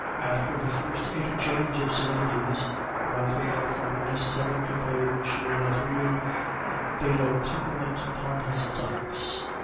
After the first interchange of civilities, Raphael thought it necessary to pay M. Lavrille a banal compliment upon his ducks.